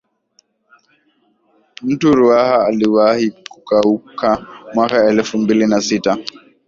mto ruaha uliwahi kukauka mwaka elfu mbili na sita